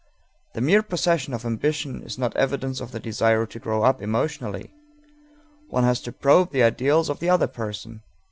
The mere possession of ambition is not evidence of the desire to grow up emotionally. One has to probe the ideals of the other person.